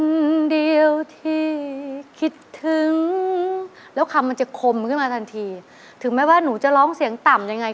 คนเดียวที่คิดถึงแล้วคำมันจะคมขึ้นมาทันทีถึงแม้ว่าหนูจะร้องเสียงต่ำยังไง